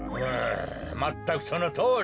まったくそのとおりじゃ。